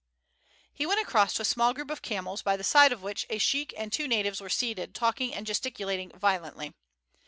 He went across to a small group of camels by the side of which a sheik and two natives were seated talking and gesticulating violently.